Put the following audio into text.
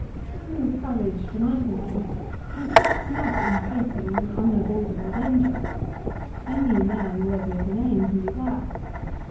True courage to my thinking consists not in facing an unavoidable danger. Any man worthy of the name can do that.